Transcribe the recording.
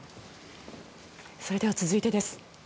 それでは続いてです。